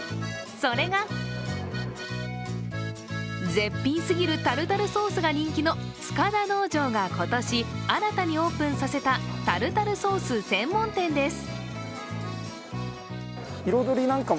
それが、絶品すぎるタルタルソースが人気の塚田農場が今年、新たにオープンさせたタルタルソース専門店です。